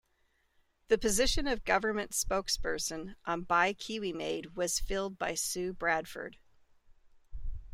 The position of government spokesperson on Buy Kiwi Made was filled by Sue Bradford.